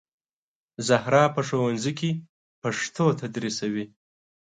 زهرا په ښوونځي کې پښتو تدریسوي